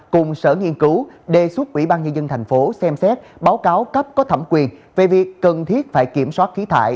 cùng sở nghiên cứu đề xuất ủy ban nhân dân thành phố xem xét báo cáo cấp có thẩm quyền về việc cần thiết phải kiểm soát khí thải